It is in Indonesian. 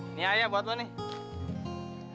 ini ayah buat gue nih